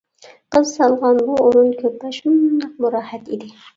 قىز سالغان بۇ ئورۇن-كۆرپە شۇنداقمۇ راھەت ئىدى.